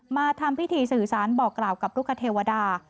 มาทำพิธีสื่อสารบอกกล่าวกับลูกคเทวดา